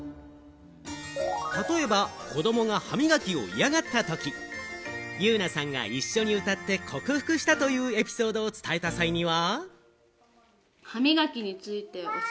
例えば子供が歯磨きを嫌がった時、ユウナさんが一緒に歌って克服したというエピソードを伝えた際には。